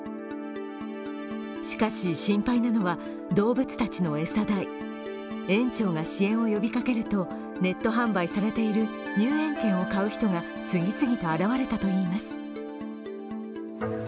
しかし心配なのは、動物たちの餌代園長が支援を呼びかけるとネット販売されている入園券を買う人が次々と現れたといいます。